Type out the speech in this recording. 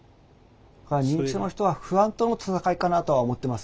だから認知症の人は不安との闘いかなとは思ってます。